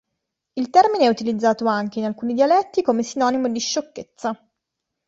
Il termine è utilizzato anche, in alcuni dialetti, come sinonimo di "sciocchezza".